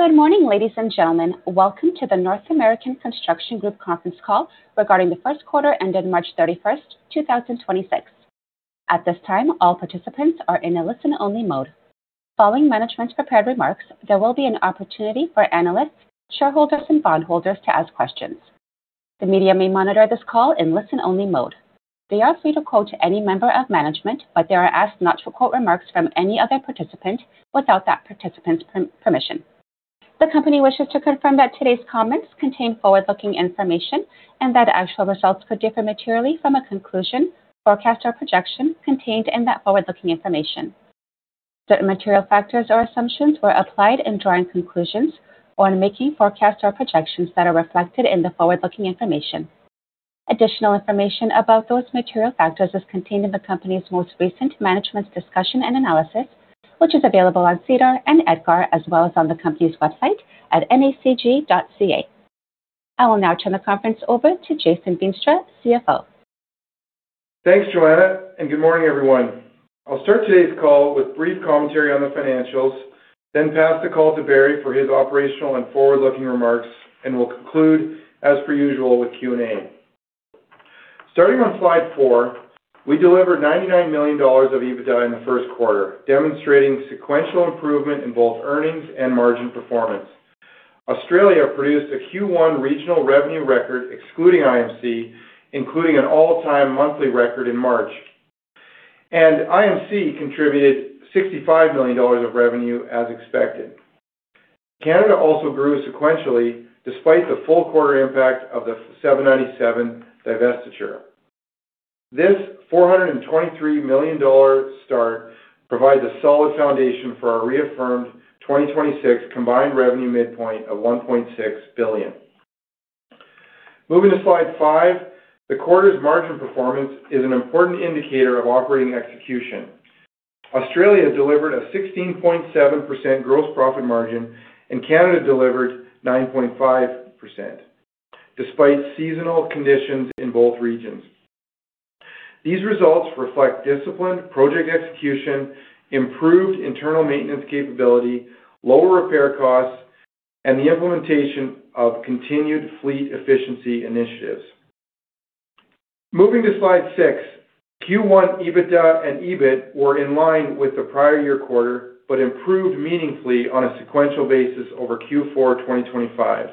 Good morning, ladies and gentlemen. Welcome to the North American Construction Group conference call regarding the first quarter ended March 31st, 2026. At this time, all participants are in a listen-only mode. Following management's prepared remarks, there will be an opportunity for analysts, shareholders, and bondholders to ask questions. The media may monitor this call in listen-only mode. They are free to quote any member of management, but they are asked not to quote remarks from any other participant without that participant's permission. The company wishes to confirm that today's comments contain forward-looking information and that actual results could differ materially from a conclusion, forecast, or projection contained in that forward-looking information. Certain material factors or assumptions were applied in drawing conclusions or in making forecasts or projections that are reflected in the forward-looking information. Additional information about those material factors is contained in the company's most recent management's discussion and analysis, which is available on SEDAR and EDGAR, as well as on the company's website at nacg.ca. I will now turn the conference over to Jason Veenstra, CFO. Thanks, Joanna. Good morning, everyone. I'll start today's call with brief commentary on the financials, then pass the call to Barry for his operational and forward-looking remarks, and we'll conclude, as per usual, with Q&A. Starting on slide four, we delivered 99 million dollars of EBITDA in the first quarter, demonstrating sequential improvement in both earnings and margin performance. Australia produced a Q1 regional revenue record excluding IMC, including an all-time monthly record in March. IMC contributed 65 million dollars of revenue as expected. Canada also grew sequentially despite the full quarter impact of the 797 divestiture. This 423 million dollar start provides a solid foundation for our reaffirmed 2026 combined revenue midpoint of 1.6 billion. Moving to slide five, the quarter's margin performance is an important indicator of operating execution. Australia delivered a 16.7% gross profit margin, and Canada delivered 9.5% despite seasonal conditions in both regions. These results reflect disciplined project execution, improved internal maintenance capability, lower repair costs, and the implementation of continued fleet efficiency initiatives. Moving to slide six, Q1 EBITDA and EBIT were in line with the prior year quarter but improved meaningfully on a sequential basis over Q4 2025,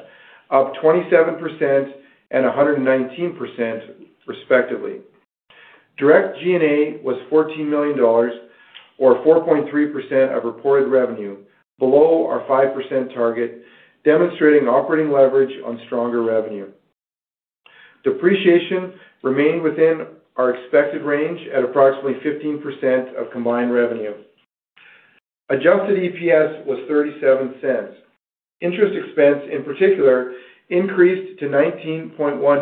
up 27% and 119% respectively. Direct G&A was 14 million dollars or 4.3% of reported revenue, below our 5% target, demonstrating operating leverage on stronger revenue. Depreciation remained within our expected range at approximately 15% of combined revenue. Adjusted EPS was 0.37. Interest expense, in particular, increased to 19.1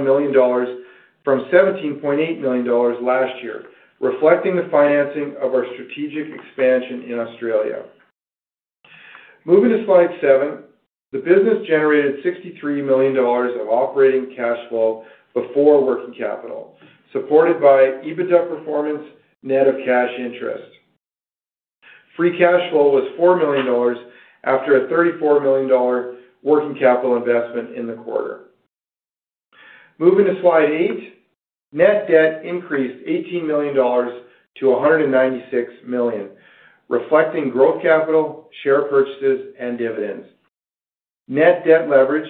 million dollars from 17.8 million dollars last year, reflecting the financing of our strategic expansion in Australia. Moving to slide seven, the business generated 63 million dollars of operating cash flow before working capital, supported by EBITDA performance net of cash interest. Free cash flow was 4 million dollars after a 34 million dollar working capital investment in the quarter. Moving to slide eight, net debt increased 18 million dollars to 196 million, reflecting growth capital, share purchases, and dividends. Net debt leverage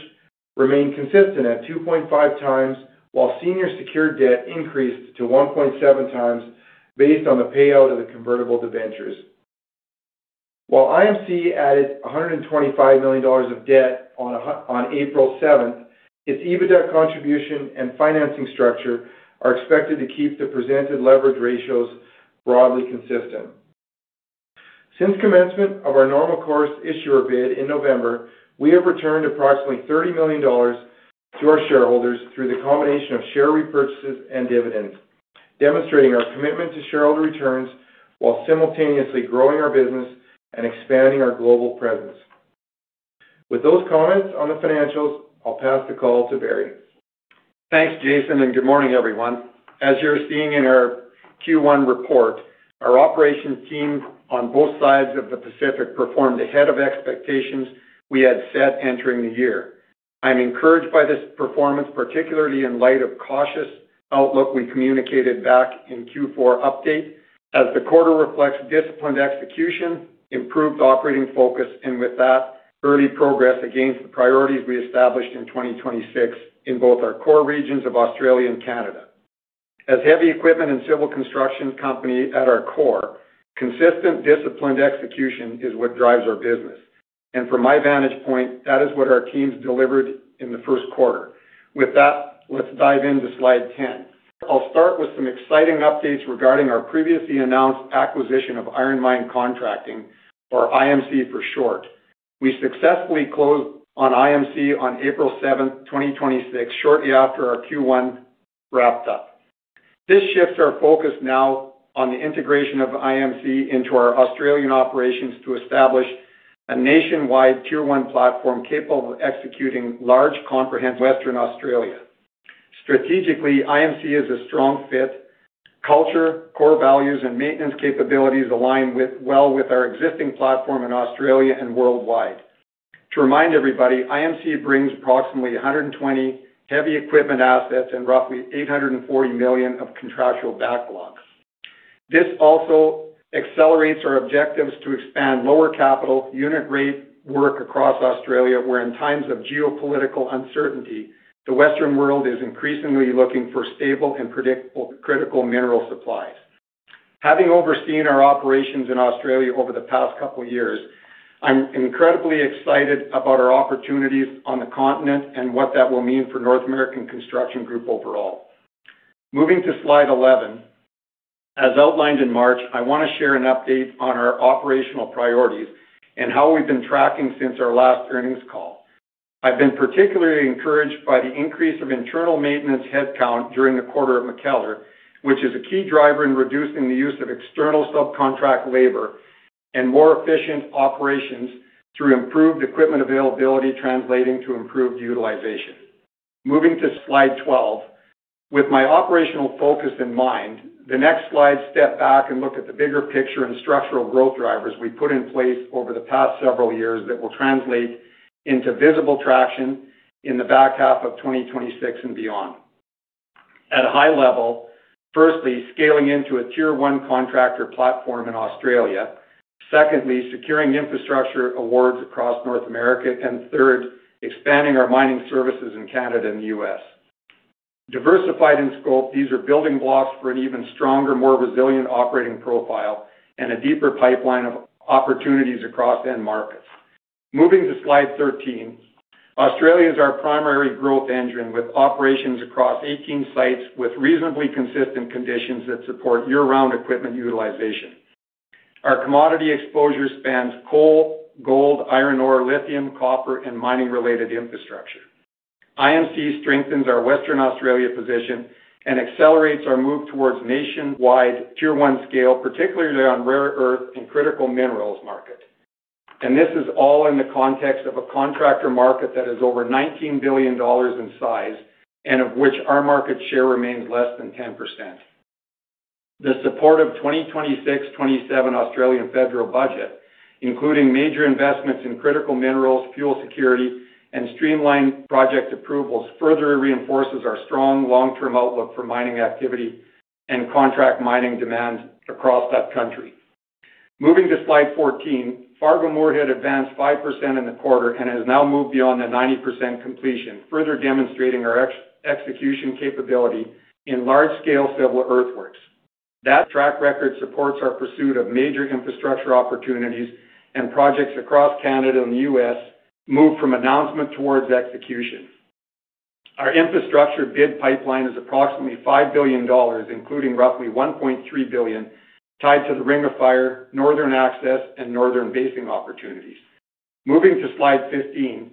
remained consistent at 2.5 times, while senior secured debt increased to 1.7x based on the payout of the convertible debentures. IMC added 125 million dollars of debt on April 7th, its EBITDA contribution and financing structure are expected to keep the presented leverage ratios broadly consistent. Since commencement of our normal course issuer bid in November, we have returned approximately 30 million dollars to our shareholders through the combination of share repurchases and dividends, demonstrating our commitment to shareholder returns while simultaneously growing our business and expanding our global presence. With those comments on the financials, I'll pass the call to Barry. Thanks, Jason, good morning, everyone. As you're seeing in our Q1 report, our operations teams on both sides of the Pacific performed ahead of expectations we had set entering the year. I'm encouraged by this performance, particularly in light of cautious outlook we communicated back in Q4 update as the quarter reflects disciplined execution, improved operating focus, and with that, early progress against the priorities we established in 2026 in both our core regions of Australia and Canada. As heavy equipment and civil construction company at our core, consistent disciplined execution is what drives our business. From my vantage point, that is what our teams delivered in the first quarter. With that, let's dive into slide 10. I'll start with some exciting updates regarding our previously announced acquisition of Iron Mine Contracting or IMC for short. We successfully closed on IMC on April 7th, 2026, shortly after our Q1 wrapped up. This shifts our focus now on the integration of IMC into our Australian operations to establish a nationwide Tier 1 platform capable of executing large comprehensive Western Australia. Strategically, IMC is a strong fit. Culture, core values, and maintenance capabilities align well with our existing platform in Australia and worldwide. To remind everybody, IMC brings approximately 120 heavy equipment assets and roughly 840 million of contractual backlogs. This also accelerates our objectives to expand lower capital unit rate work across Australia, where in times of geopolitical uncertainty, the Western world is increasingly looking for stable and predictable critical mineral supplies. Having overseen our operations in Australia over the past couple of years, I'm incredibly excited about our opportunities on the continent and what that will mean for North American Construction Group overall. Moving to slide 11. As outlined in March, I want to share an update on our operational priorities and how we've been tracking since our last earnings call. I've been particularly encouraged by the increase of internal maintenance headcount during the quarter at MacKellar, which is a key driver in reducing the use of external subcontract labor and more efficient operations through improved equipment availability translating to improved utilization. Moving to slide 12. With my operational focus in mind, the next slide step back and look at the bigger picture and structural growth drivers we put in place over the past several years that will translate into visible traction in the back half of 2026 and beyond. At a high level, firstly, scaling into a Tier 1 contractor platform in Australia. Secondly, securing infrastructure awards across North America. Third, expanding our mining services in Canada and the U.S. Diversified in scope, these are building blocks for an even stronger, more resilient operating profile and a deeper pipeline of opportunities across end markets. Moving to slide 13. Australia is our primary growth engine with operations across 18 sites with reasonably consistent conditions that support year-round equipment utilization. Our commodity exposure spans coal, gold, iron ore, lithium, copper, and mining-related infrastructure. IMC strengthens our Western Australia position and accelerates our move towards nationwide Tier 1 scale, particularly on rare earth and critical minerals market. This is all in the context of a contractor market that is over 19 billion dollars in size and of which our market share remains less than 10%. The support of 2026, 2027 Australian federal budget, including major investments in critical minerals, fuel security, and streamlined project approvals, further reinforces our strong long-term outlook for mining activity and contract mining demand across that country. Moving to slide 14. Fargo-Moorhead advanced 5% in the quarter and has now moved beyond the 90% completion, further demonstrating our execution capability in large-scale civil earthworks. That track record supports our pursuit of major infrastructure opportunities and projects across Canada and the U.S. move from announcement towards execution. Our infrastructure bid pipeline is approximately 5 billion dollars, including roughly 1.3 billion tied to the Ring of Fire, Northern Access, and Northern Basin opportunities. Moving to slide 15.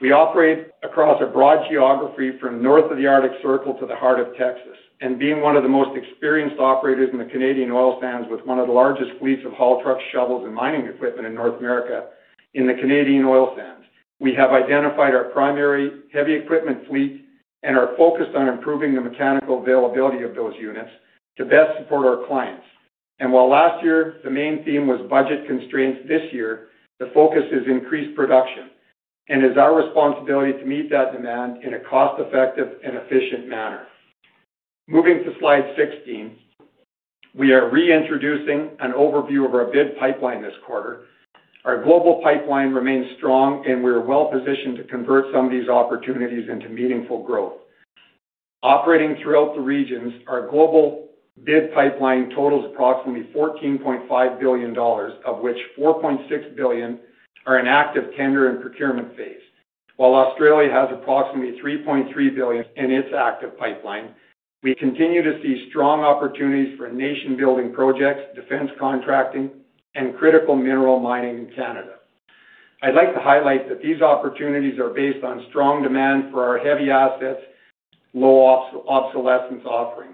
We operate across a broad geography from north of the Arctic Circle to the heart of Texas, being one of the most experienced operators in the Canadian oil sands with one of the largest fleets of haul trucks, shovels, and mining equipment in North America in the Canadian oil sands. We have identified our primary heavy equipment fleet and are focused on improving the mechanical availability of those units to best support our clients. While last year the main theme was budget constraints, this year the focus is increased production, and it's our responsibility to meet that demand in a cost-effective and efficient manner. Moving to slide 16. We are reintroducing an overview of our bid pipeline this quarter. Our global pipeline remains strong, and we are well-positioned to convert some of these opportunities into meaningful growth. Operating throughout the regions, our global bid pipeline totals approximately 14.5 billion dollars, of which 4.6 billion are in active tender and procurement phase. While Australia has approximately 3.3 billion in its active pipeline, we continue to see strong opportunities for nation-building projects, defense contracting, and critical mineral mining in Canada. I'd like to highlight that these opportunities are based on strong demand for our heavy assets, low obsolescence offering.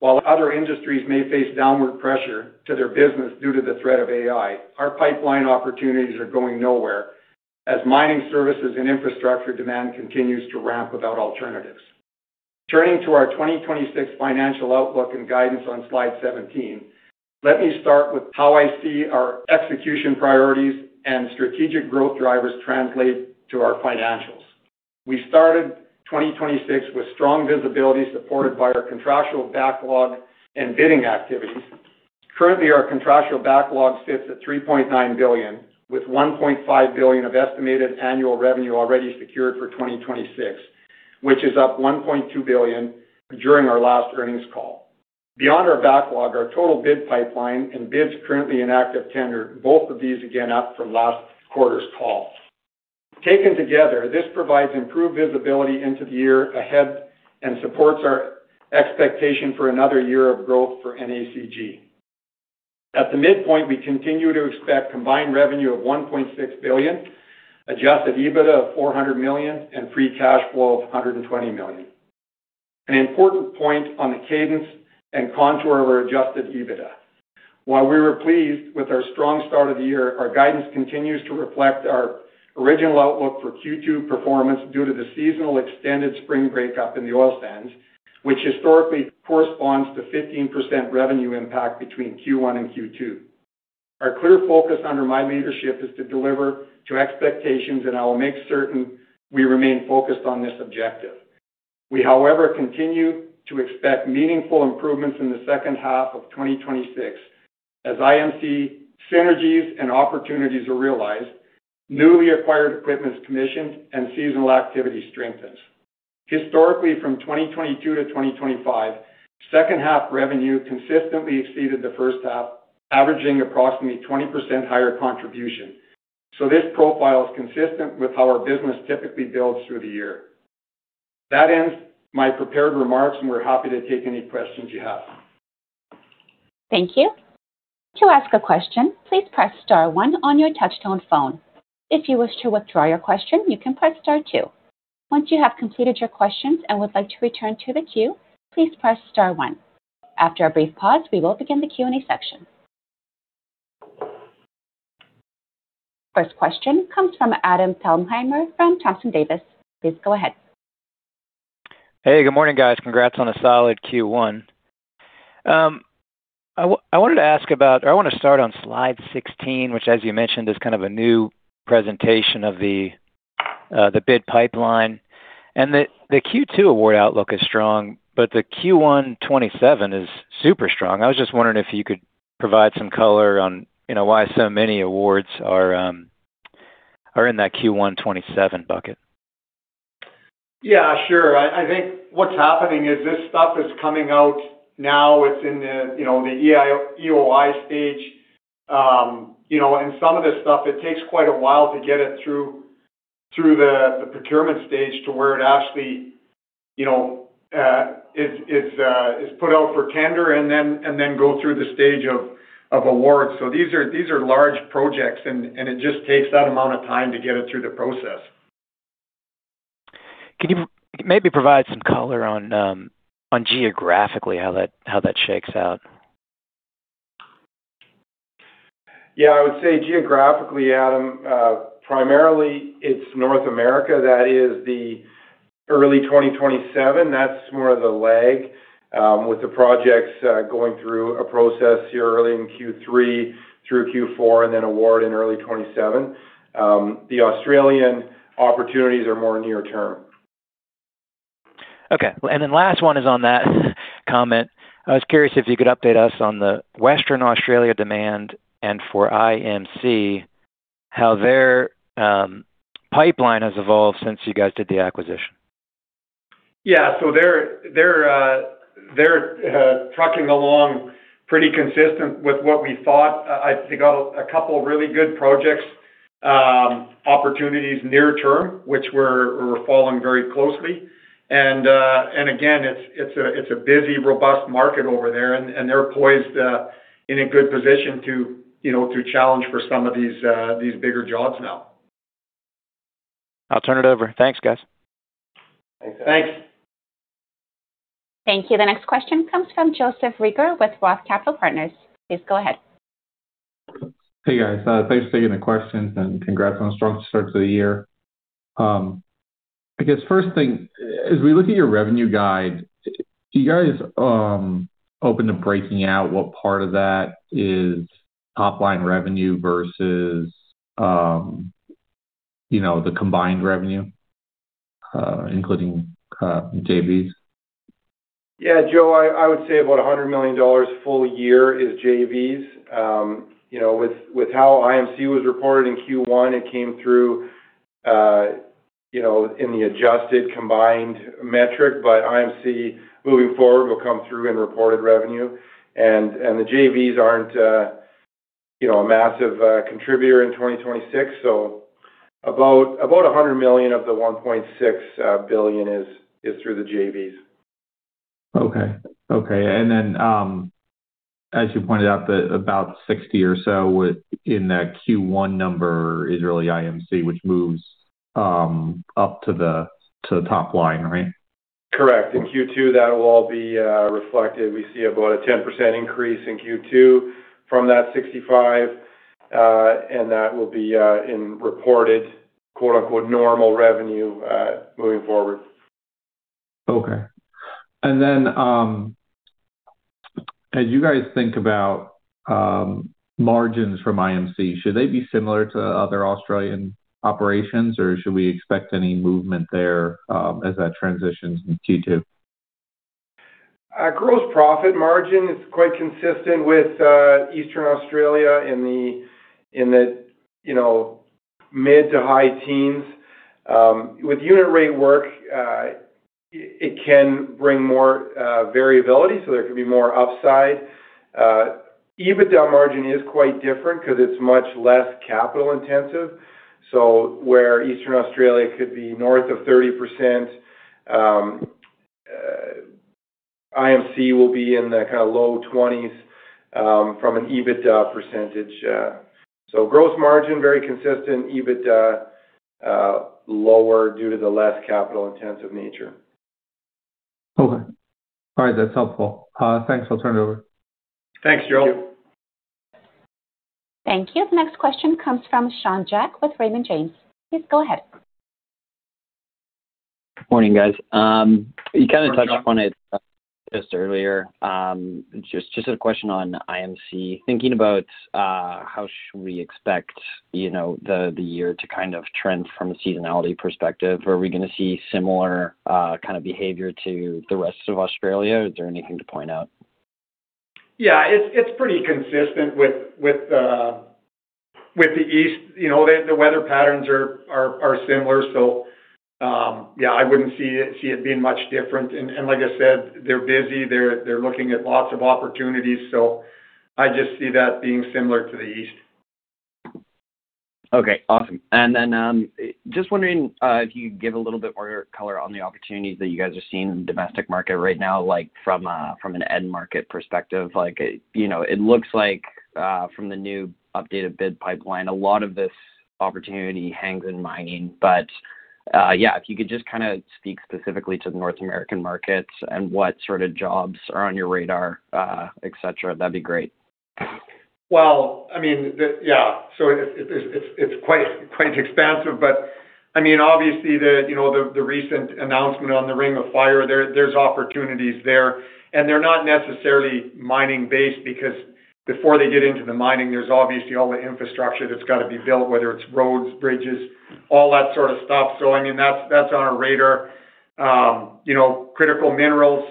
While other industries may face downward pressure to their business due to the threat of AI, our pipeline opportunities are going nowhere as mining services and infrastructure demand continues to ramp without alternatives. Turning to our 2026 financial outlook and guidance on slide 17, let me start with how I see our execution priorities and strategic growth drivers translate to our financials. We started 2026 with strong visibility supported by our contractual backlog and bidding activities. Currently, our contractual backlog sits at 3.9 billion, with 1.5 billion of estimated annual revenue already secured for 2026, which is up 1.2 billion during our last earnings call. Beyond our backlog, our total bid pipeline and bids currently in active tender, both of these again up from last quarter's call. Taken together, this provides improved visibility into the year ahead and supports our expectation for another year of growth for NACG. At the midpoint, we continue to expect combined revenue of 1.6 billion, adjusted EBITDA of 400 million, and free cash flow of 120 million. An important point on the cadence and contour of our adjusted EBITDA. While we were pleased with our strong start of the year, our guidance continues to reflect our original outlook for Q2 performance due to the seasonal extended spring break-up in the oil sands, which historically corresponds to 15% revenue impact between Q1 and Q2. Our clear focus under my leadership is to deliver to expectations, and I will make certain we remain focused on this objective. We, however, continue to expect meaningful improvements in the second half of 2026 as IMC synergies and opportunities are realized, newly acquired equipment is commissioned, and seasonal activity strengthens. Historically, from 2022 to 2025, second half revenue consistently exceeded the first half, averaging approximately 20% higher contribution. This profile is consistent with how our business typically builds through the year. That ends my prepared remarks. We're happy to take any questions you have. Thank you. To ask a question, please press star one on your touch tone phone. If you wish to withdraw your question, you can press star two. Once you have completed your questions and would like to return to the queue, please press star one. After a brief pause, we will begin the Q&A section. First question comes from Adam Thalhimer from Thompson Davis. Please go ahead. Hey, good morning, guys. Congrats on a solid Q1. I wanted to ask about or I want to start on slide 16, which, as you mentioned, is kind of a new presentation of the bid pipeline. The Q2 award outlook is strong, but the Q1 2027 is super strong. I was just wondering if you could provide some color on, you know, why so many awards are in that Q1 2027 bucket. Yeah, sure. I think what's happening is this stuff is coming out now. It's in the, you know, the EOI stage. You know, some of this stuff, it takes quite a while to get it through the procurement stage to where it actually, you know, is put out for tender and then go through the stage of awards. These are large projects, and it just takes that amount of time to get it through the process. Can you maybe provide some color on geographically how that, how that shakes out? Yeah, I would say geographically, Adam, primarily it's North America that is the early 2027. That's more of the lag, with the projects, going through a process here early in Q3 through Q4 and then award in early 2027. The Australian opportunities are more near term. Okay. Last one is on that comment. I was curious if you could update us on the Western Australia demand and for IMC, how their pipeline has evolved since you guys did the acquisition. Yeah. They're trucking along pretty consistent with what we thought. I think got a couple of really good projects, opportunities near term, which we're following very closely. Again, it's a busy, robust market over there, and they're poised in a good position to, you know, to challenge for some of these bigger jobs now. I'll turn it over. Thanks, guys. Thanks. Thank you. The next question comes from Joseph Reagor with Roth Capital Partners. Please go ahead. Hey, guys. Thanks for taking the questions, and congrats on a strong start to the year. I guess first thing, as we look at your revenue guide, do you guys open to breaking out what part of that is top line revenue versus, you know, the combined revenue, including JVs? Yeah. Joe, I would say about 100 million dollars full year is JVs. You know, with how IMC was reported in Q1, it came through, you know, in the adjusted combined metric, but IMC moving forward will come through in reported revenue. The JVs aren't, you know, a massive contributor in 2026, about 100 million of the 1.6 billion is through the JVs. Okay. Okay. Then, as you pointed out, the about 60 or so in that Q1 number is really IMC, which moves up to the, to the top line, right? Correct. In Q2, that will all be reflected. We see about a 10% increase in Q2 from that 65. That will be in reported, quote-unquote, normal revenue moving forward. Okay. As you guys think about margins from IMC, should they be similar to other Australian operations, or should we expect any movement there, as that transitions into Q2? Our gross profit margin is quite consistent with Eastern Australia in the, in the, you know, mid to high teens. With unit rate work, it can bring more variability, so there could be more upside. EBITDA margin is quite different because it's much less capital intensive. Where Eastern Australia could be north of 30%, IMC will be in the kinda low 20s from an EBITDA percentage. Gross margin, very consistent. EBITDA, lower due to the less capital intensive nature. Okay. All right, that's helpful. Thanks. I'll turn it over. Thanks, Joe. Thank you. The next question comes from Sean Jack with Raymond James. Please go ahead. Morning, guys. You kinda touched on it just earlier. Just a question on IMC. Thinking about, how should we expect, you know, the year to kind of trend from a seasonality perspective. Are we gonna see similar, kind of behavior to the rest of Australia? Is there anything to point out? Yeah. It's pretty consistent with the East. You know, the weather patterns are similar. Yeah, I wouldn't see it being much different. Like I said, they're busy. They're looking at lots of opportunities. I just see that being similar to the East. Okay. Awesome. Just wondering, if you could give a little bit more color on the opportunities that you guys are seeing in the domestic market right now, like from an end market perspective. Like, you know, it looks like, from the new updated bid pipeline, a lot of this opportunity hangs in mining. Yeah, if you could just kinda speak specifically to the North American markets and what sort of jobs are on your radar, et cetera, that'd be great. Well, I mean, it's quite expansive. I mean, obviously, you know, the recent announcement on the Ring of Fire, there's opportunities there. They're not necessarily mining-based because before they get into the mining, there's obviously all the infrastructure that's got to be built, whether it's roads, bridges, all that sort of stuff. I mean, that's on our radar. You know, critical minerals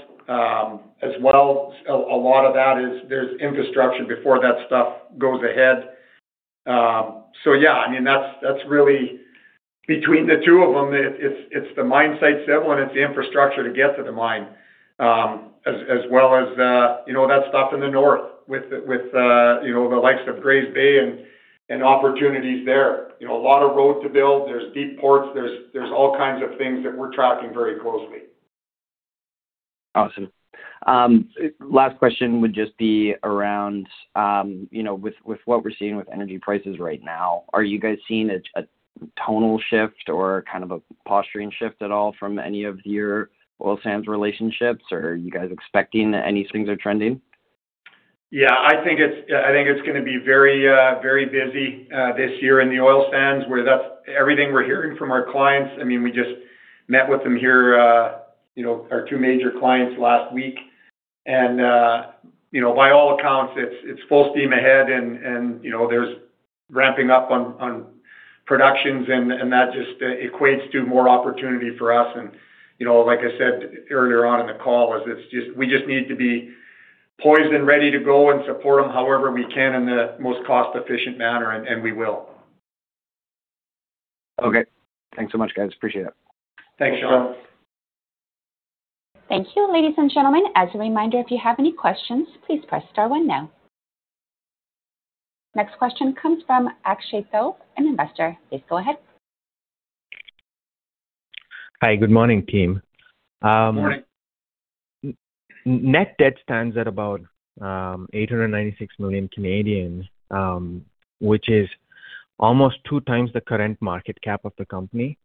as well. A lot of that is there's infrastructure before that stuff goes ahead. Yeah, I mean, that's really between the two of them. It's the mine sites, that one, it's the infrastructure to get to the mine. As well as, you know, that stuff in the north with, you know, the likes of Grays Bay and opportunities there. You know, a lot of road to build. There's deep ports. There's all kinds of things that we're tracking very closely. Awesome. Last question would just be around, you know, with what we're seeing with energy prices right now, are you guys seeing a tonal shift or kind of a posturing shift at all from any of your oil sands relationships? Or are you guys expecting any things are trending? Yeah. I think it's gonna be very, very busy this year in the oil sands, where that's everything we're hearing from our clients. I mean, we just met with them here, you know, our two major clients last week. You know, by all accounts, it's full steam ahead and, you know, there's ramping up on productions and that just equates to more opportunity for us. You know, like I said earlier on in the call is we just need to be poised and ready to go and support them however we can in the most cost-efficient manner, and we will. Okay. Thanks so much, guys. Appreciate it. Thanks, Sean. Thank you, ladies and gentlemen. As a reminder, if you have any questions, please press star one now. Next question comes from Akshato, an investor. Please go ahead. Hi. Good morning, team. Morning. Net debt stands at about 896 million, which is almost 2x the current market cap of the company.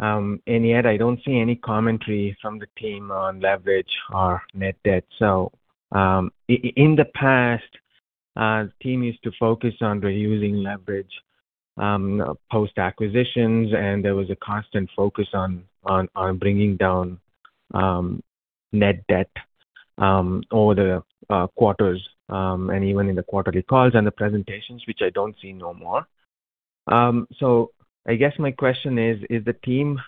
Yet I don't see any commentary from the team on leverage or net debt. In the past, team used to focus on reducing leverage post-acquisitions, and there was a constant focus on bringing down net debt over the quarters and even in the quarterly calls and the presentations, which I don't see no more. I guess my question is the team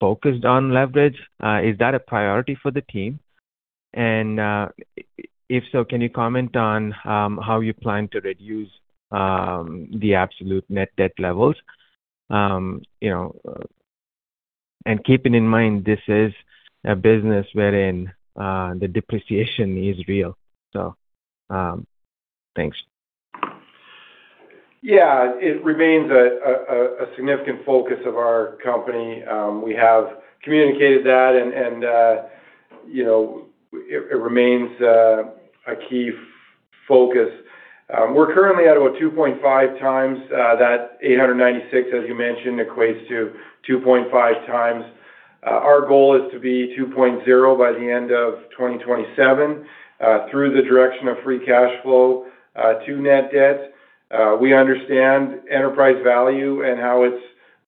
focused on leverage? Is that a priority for the team? If so, can you comment on how you plan to reduce the absolute net debt levels? You know, keeping in mind this is a business wherein the depreciation is real. Thanks. Yeah. It remains a significant focus of our company. We have communicated that and, you know, it remains a key focus. We're currently at about 2.5x, that 896, as you mentioned, equates to 2.5x. Our goal is to be 2.0x by the end of 2027, through the direction of free cash flow, to net debt. We understand enterprise value and how it's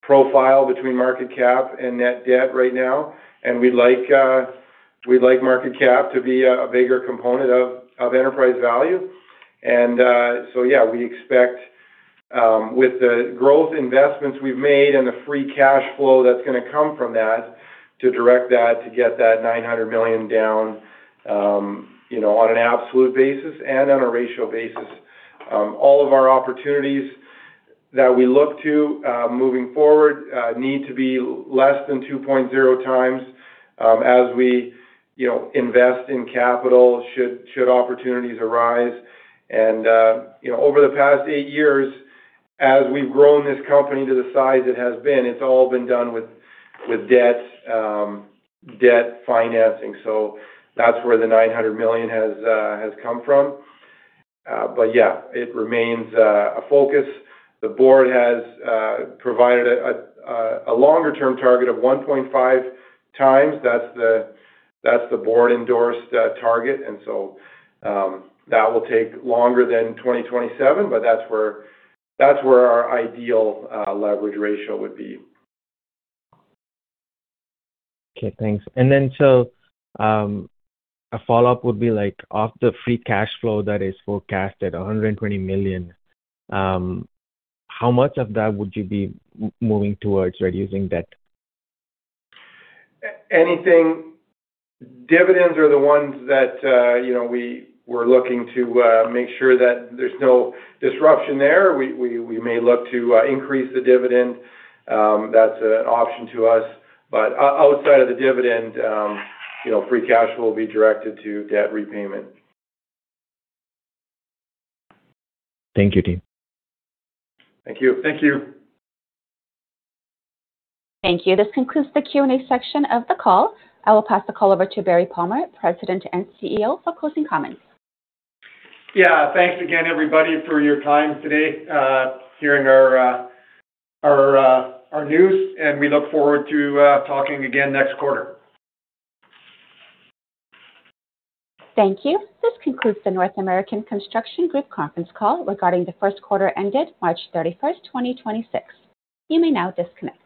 profiled between market cap and net debt right now, and we'd like market cap to be a bigger component of enterprise value. Yeah, we expect with the growth investments we've made and the free cash flow that's gonna come from that, to direct that to get that 900 million down on an absolute basis and on a ratio basis. All of our opportunities that we look to moving forward need to be less than 2.0x as we invest in capital should opportunities arise. Over the past eight years, as we've grown this company to the size it has been, it's all been done with debt financing. That's where the 900 million has come from. Yeah, it remains a focus. The board has provided a longer-term target of 1.5x. That's the board-endorsed target. That will take longer than 2027, but that's where our ideal leverage ratio would be. Okay, thanks. A follow-up would be like of the free cash flow that is forecasted, 120 million, how much of that would you be moving towards reducing debt? Dividends are the ones that, you know, we were looking to make sure that there's no disruption there. We may look to increase the dividend. That's an option to us. But outside of the dividend, you know, free cash will be directed to debt repayment. Thank you, team. Thank you. Thank you. Thank you. This concludes the Q&A section of the call. I will pass the call over to Barry Palmer, President and CEO, for closing comments. Yeah. Thanks again, everybody, for your time today, hearing our news, and we look forward to talking again next quarter. Thank you. This concludes the North American Construction Group conference call regarding the first quarter ended March 31st, 2026. You may now disconnect.